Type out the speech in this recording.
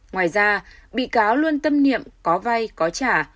ngoài ra bị cáo luôn tâm niệm có vay có trả